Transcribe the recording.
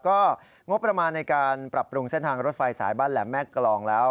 ก็งบประมาณในการปรับปรุงเส้นทางรถไฟสายบ้านแหลมแม่กรองแล้ว